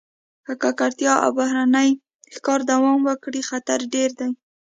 که ککړتیا او بهرني ښکار دوام وکړي، خطر ډېر دی.